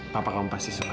papa kamu pasti suka